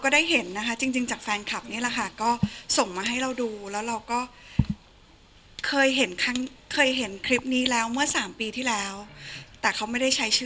ได้แล้วรึเปล่า